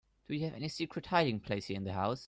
Do you have any secret hiding place here in the house?